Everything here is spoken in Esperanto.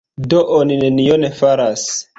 Do oni nenion faras.